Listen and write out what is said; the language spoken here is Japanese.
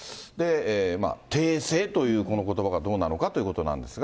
訂正というこのことばがどうなのかということなんですが。